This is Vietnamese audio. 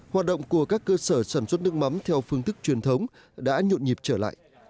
hoạt động của các cơ sở sản xuất nước mắm theo phương thức truyền thống đã nhộn nhịp trở lại